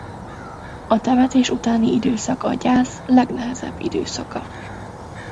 A temetés utáni időszak a gyász legnehezebb időszaka.